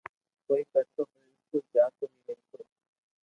ڪوئي ڪرتو پسو اسڪول جاتو ھي رھتو